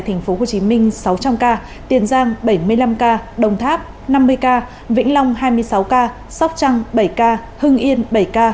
tp hcm sáu trăm linh ca tiền giang bảy mươi năm ca đồng tháp năm mươi ca vĩnh long hai mươi sáu ca sóc trăng bảy ca hưng yên bảy ca